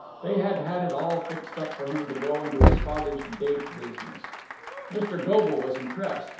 They had had it all fixed for him to go into his father's date business." Mr. Goble was impressed.